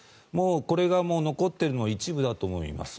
これが残っているのは一部だと思います。